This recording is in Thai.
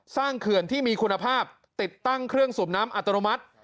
เขื่อนที่มีคุณภาพติดตั้งเครื่องสูบน้ำอัตโนมัติ